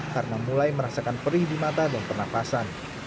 karena mulai merasakan perih di mata dan penafasan